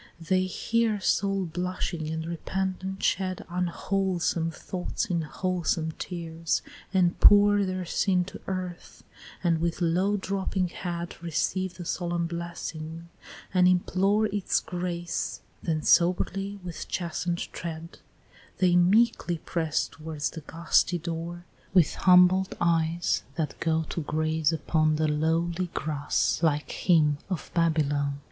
They hear, soul blushing, and repentant shed Unwholesome thoughts in wholesome tears, and pour Their sin to earth, and with low drooping head Receive the solemn blessing, and implore Its grace then soberly with chasten'd tread, They meekly press towards the gusty door With humbled eyes that go to graze upon The lowly grass like him of Babylon.